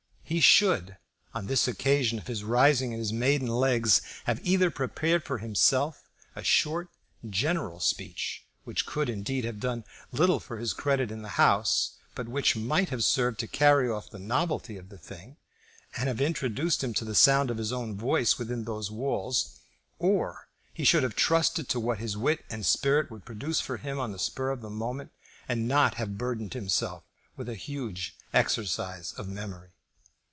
He should, on this the occasion of his rising to his maiden legs, have either prepared for himself a short general speech, which could indeed have done little for his credit in the House, but which might have served to carry off the novelty of the thing, and have introduced him to the sound of his own voice within those walls, or he should have trusted to what his wit and spirit would produce for him on the spur of the moment, and not have burdened himself with a huge exercise of memory.